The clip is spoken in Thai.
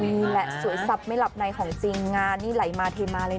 มีแหละสวยทรัพย์ไม่หลับในงานนี้ไหลมาเทมาเลย